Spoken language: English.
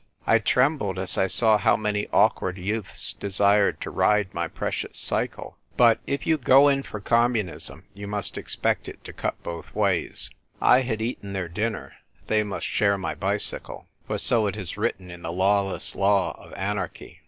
I trembled as I saw how many awkward youths desired to ride my precious cycle. But if you go in for Communism you must expect it lo cut both ways. I had eaten their dinner, they must share my bicycle. P'or so it is written in the lawless law of anarchy.